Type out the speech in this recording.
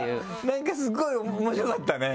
なんかスゴい面白かったね。